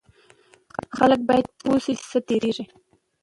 خلک باید پوه شي چې څه تیریږي.